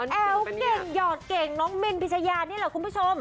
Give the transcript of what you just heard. แอ๋วเก่งหยอดเก่งน้องมินพิชยานี่แหละคุณผู้ชม